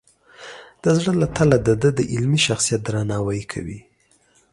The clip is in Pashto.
د زړه له تله د ده د علمي شخصیت درناوی کوي.